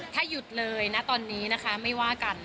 ถ้าหยุดเลยนะตอนนี้นะคะไม่ว่ากัน